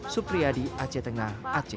supriyadi aceh tengah aceh